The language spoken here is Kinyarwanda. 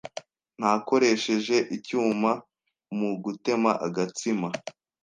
Nakoresheje icyuma mu gutema agatsima.